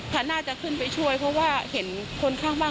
น่าจะขึ้นไปช่วยเพราะว่าเห็นคนข้างบ้าน